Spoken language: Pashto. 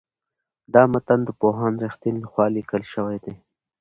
دا متن د پوهاند رښتین لخوا لیکل شوی دی.